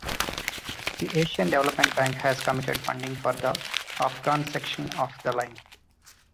The Asian Development Bank has committed funding for the Afghan section of the line.